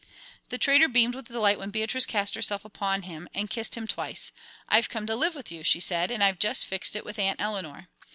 The trader beamed with delight when Beatrice cast herself upon him and kissed him twice. "I've come to live with you," she said, "and I've just fixed it with Aunt Eleanor.